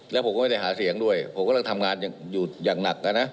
แล้วผมก็ไม่ได้หาเสียงด้วยผมกำลังทำงานอยู่อย่างหนักนะ